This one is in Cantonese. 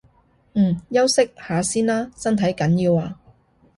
嗯，休息下先啦，身體緊要啊